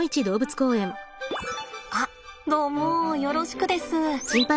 あっどうもよろしくです。